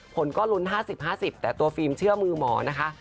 คนก็ลุ้น๕๐๕๐แต่ตัวฟิล์มเชื่อมือหมอนะคะ